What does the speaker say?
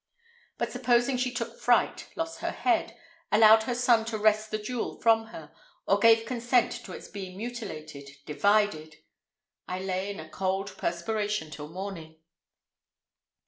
But supposing she took fright, lost her head, allowed her son to wrest the jewel from her, or gave consent to its being mutilated, divided! I lay in a cold perspiration till morning.